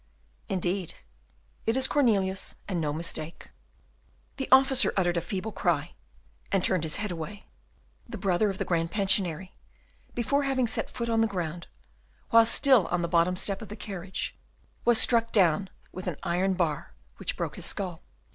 "Indeed, it is Cornelius, and no mistake." The officer uttered a feeble cry, and turned his head away; the brother of the Grand Pensionary, before having set foot on the ground, whilst still on the bottom step of the carriage, was struck down with an iron bar which broke his skull.